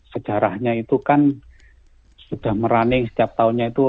sejarahnya itu kan sudah merunning setiap tahunnya itu